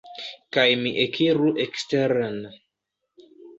Kaj mi ekiru eksteren.